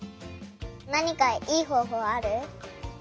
なにかいいほうほうある？